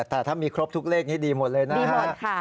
แต่ถ้ามีครบทุกเลขนี้ดีหมดเลยนะครับ